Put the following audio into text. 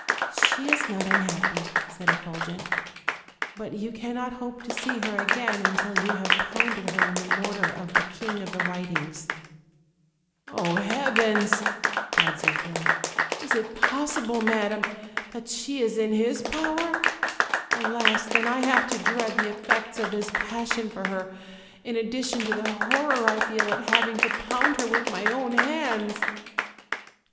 "She is not unhappy," said Effulgent, "but you can not hope to see her again until you have pounded her in the mortar of the King of the Whitings." "Oh, heavens!" cried Zirphil; "is it possible, madam, OLD, OLD FAIRY TALES. 205 that she is in his power? Alas! then I have to dread the effects of his passion for her, in addition to the horror I feel at having to pound her with my own hands!"